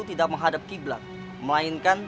tidak menghadap qiblat melainkan